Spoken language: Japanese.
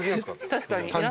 確かにね。